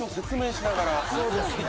そうですね。何か。